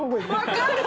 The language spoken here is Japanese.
分かる！